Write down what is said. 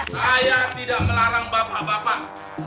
saya tidak melarang bapak bapak